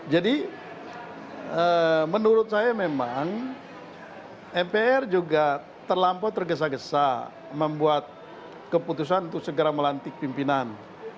jadi menurut saya memang mpr juga terlampau tergesa gesa membuat keputusan untuk segera melantik pimpinan